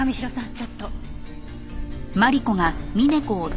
ちょっと。